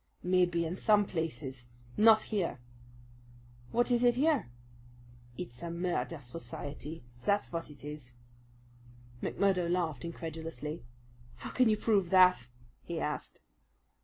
"Maybe in some places. Not here!" "What is it here?" "It's a murder society, that's vat it is." McMurdo laughed incredulously. "How can you prove that?" he asked.